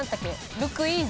ルクイーゼ。